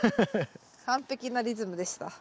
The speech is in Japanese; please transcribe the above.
完璧なリズムでした。